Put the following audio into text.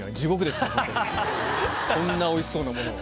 こんなおいしそうなものを。